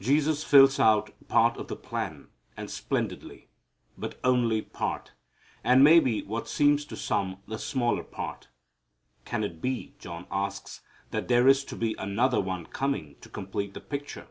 Jesus fills out part of the plan, and splendidly, but only part, and may be what seems to some the smaller part. Can it be, John asks, that there is to be another one coming to complete the picture?